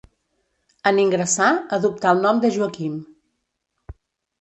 En ingressar, adoptà el nom de Joaquim.